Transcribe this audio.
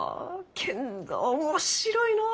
けんど面白いのう！